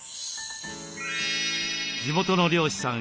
地元の漁師さん